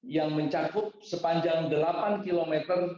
yang mencakup sepanjang delapan km